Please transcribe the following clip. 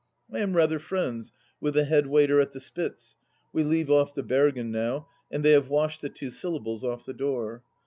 I am rather friends with the head waiter at the Spitz — we leave off the " bergen " now, and they have washed the two syllables off the door.